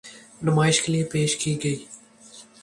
نمائش کے لیے پیش کی گئی۔